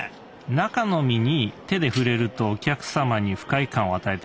中の実に手で触れるとお客様に不快感を与えてしまいます。